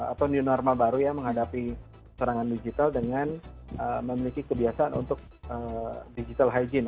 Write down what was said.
atau new normal baru ya menghadapi serangan digital dengan memiliki kebiasaan untuk digital hygiene